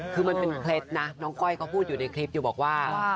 คือมันเป็นเคล็ดนะน้องก้อยเขาพูดอยู่ในคลิปอยู่บอกว่า